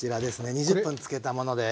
２０分つけたものです。